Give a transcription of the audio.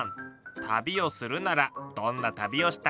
旅をするならどんな旅をしたいですか？